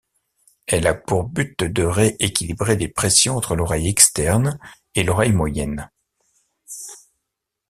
Elle a pour but de ré-équilibrer les pressions entre l'oreille externe et l'oreille moyenne.